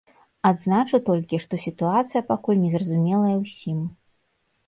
Адзначу толькі, што сітуацыя пакуль незразумелая ўсім.